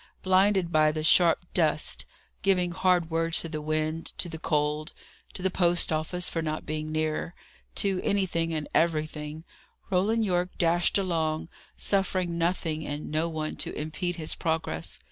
Blinded by the sharp dust, giving hard words to the wind, to the cold, to the post office for not being nearer, to anything and everything, Roland Yorke dashed along, suffering nothing and no one to impede his progress.